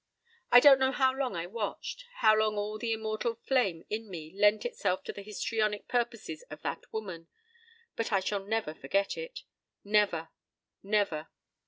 p> I don't know how long I watched; how long all the immortal flame in me lent itself to the histrionic purposes of that woman. But I shall never forget it. Never! Never!